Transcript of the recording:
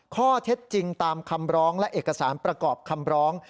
ข้อเท็จจริงตามคำร้องและเอกสารประกอบคำร้อง